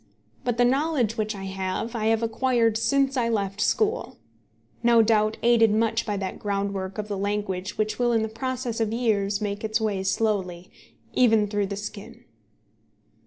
But the knowledge which I have, I have acquired since I left school, no doubt aided much by that groundwork of the language which will in the process of years make its way slowly, even through the skin.